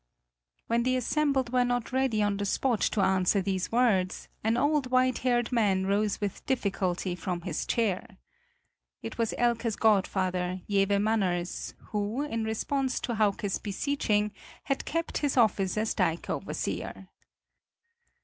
When the assembled were not ready on the spot to answer these words, an old white haired man rose with difficulty from his chair. It was Elke's godfather, Jewe Manners, who, in response to Hauke's beseeching, had kept his office as dike overseer.